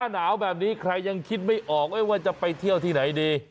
หนาวแบบนี้ใครยังคิดไม่ออกว่าจะไปเที่ยวที่ไหนดี